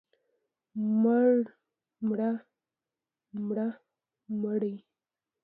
مړ، مړه، مړه، مړې.